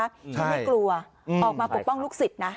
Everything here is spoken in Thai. ไม่ให้กลัวออกมาปกป้องลูกสิทธิ์นะ